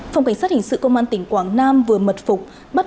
phòng cảnh sát hình sự công an tỉnh quảng nam vừa mật phẩm